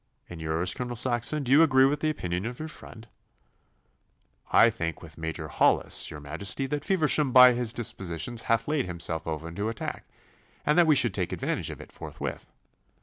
'And yours, Colonel Saxon? Do you agree with the opinion of your friend?' 'I think with Major Hollis, your Majesty, that Feversham by his dispositions hath laid himself open to attack, and that we should take advantage of it forthwith.